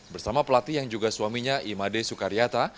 bersama pelatih yang juga suaminya imade sukaryata